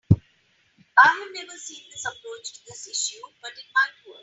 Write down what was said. I have never seen this approach to this issue, but it might work.